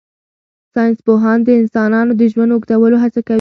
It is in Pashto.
ساینس پوهان د انسانانو د ژوند اوږدولو هڅه کوي.